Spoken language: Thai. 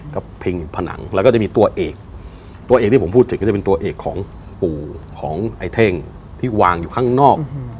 กับเพลงอยู่ผนังแล้วก็จะมีตัวเอกตัวเอกที่ผมพูดถึงก็จะเป็นตัวเอกของปู่ของไอ้เท่งที่วางอยู่ข้างนอก